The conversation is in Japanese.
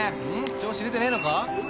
調子出てねえのか？